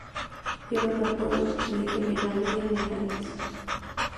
Llevó el apodo de ""General de Generales"".